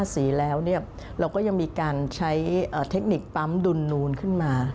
สีแล้วยังมีการใช้เทคนิคปั๊มดุนขึ้นมา